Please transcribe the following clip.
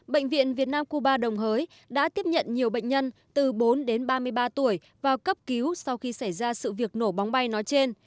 bệnh viện việt nam cuba đồng hới đã tiếp nhận nhiều bệnh nhân từ bốn đến ba mươi ba tuổi vào cấp cứu sau khi xảy ra sự việc nổ bóng bay nói trên